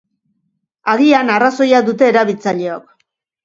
Agian arrazoia dute erabiltzaileok.